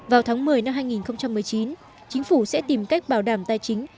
vào tháng một mươi năm hai nghìn một mươi chín chính phủ sẽ tìm cách bảo đảm tài chính